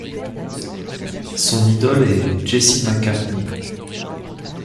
Son idole est Jesse McCartney.